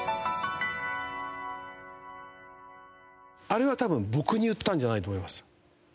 あれは多分僕に言ったんじゃないと思います。